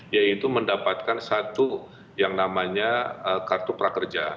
yaitu mendapatkan satu yang namanya kartu prakerja